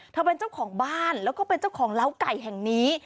เป็นเจ้าของบ้านแล้วก็เป็นเจ้าของเล้าไก่แห่งนี้